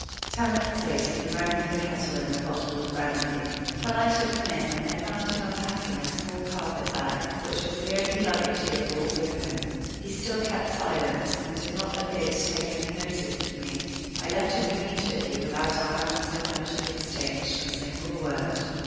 Ten minutes later he rang for the kettle and the bottle of brandy. When I took them in I found him unpacking a small carpet bag, which was the only luggage he had brought with him. He still kept silence, and did not appear to take any notice of me. I left him immediately without our having so much as exchanged a single word.